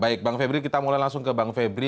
baik bang febri kita mulai langsung ke bang febri